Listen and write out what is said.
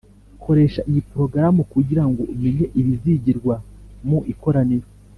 Koresha iyi porogaramu kugira ngo umenye ibizigirwa mu ikoraniro